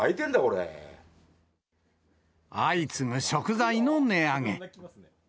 相次ぐ食材の値上げ。